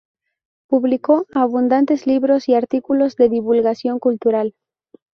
Publicó abundantes libros y artículos de divulgación cultural.